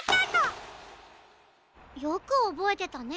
よくおぼえてたね。